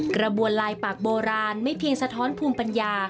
กระบวนลายปากโบราณไม่เพียงสะท้อนภูมิปัญญา